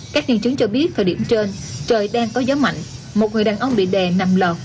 các nhân chứng cho biết thời điểm trên trời đang có gió mạnh một người đàn ông bị đè nằm lọt